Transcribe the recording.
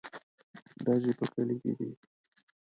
_ډزې په کلي کې دي.